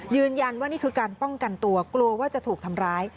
ยืนยันว่านี่คือการป้องกันตัวกลัวกลัวว่าจะถูกทำร้าย